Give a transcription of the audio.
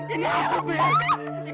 ini aku beb